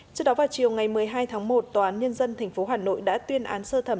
trước đó vào chiều ngày một mươi hai tháng một tòa án nhân dân tp hà nội đã tuyên án sơ thẩm